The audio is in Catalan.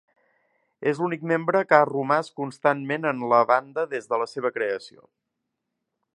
És l'únic membre que ha romàs constantment en la banda des de la seva creació.